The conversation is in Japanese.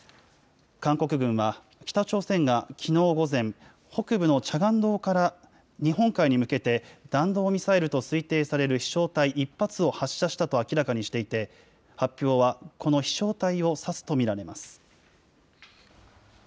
韓国軍は、北朝鮮がきのう午前、北部のチャガン道から日本海に向けて、弾道ミサイルと推定される飛しょう体１発を発射したと明らかにしていて、発表はこの飛しょう体を指すと見られます。